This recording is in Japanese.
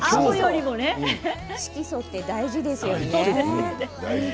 色素って大事ですよね。